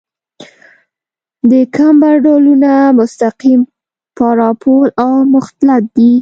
د کمبر ډولونه مستقیم، پارابول او مختلط دي